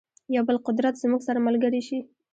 یو بل قدرت زموږ سره ملګری شي.